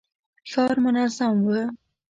ښار منظم و.